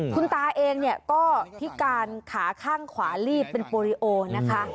คุณตาเองเนี่ยก็พิการขาข้างขวาลีบเป็นโปรดิโอนะคะ